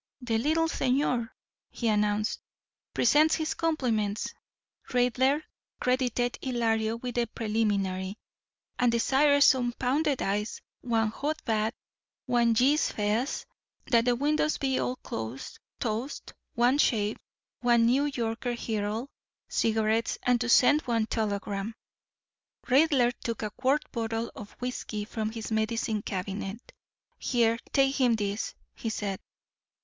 "The little señor," he announced, "presents his compliments" (Raidler credited Ylario with the preliminary) "and desires some pounded ice, one hot bath, one gin feez z, that the windows be all closed, toast, one shave, one Newyorkheral', cigarettes, and to send one telegram." Raidler took a quart bottle of whisky from his medicine cabinet. "Here, take him this," he said.